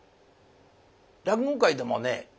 落語界でもね